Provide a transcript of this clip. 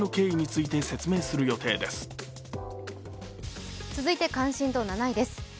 続いて関心度７位です。